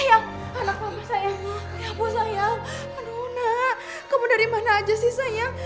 ya ampun sayang aduh nak kamu dari mana aja sih sayang